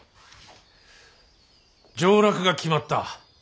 上洛が決まった。